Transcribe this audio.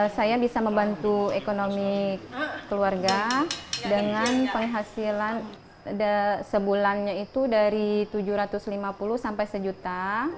saya bisa membantu ekonomi keluarga dengan penghasilan sebulannya itu dari rp tujuh ratus lima puluh sampai rp satu juta